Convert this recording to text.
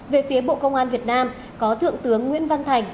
về phía bộ công an việt nam có thượng tướng nguyễn văn thành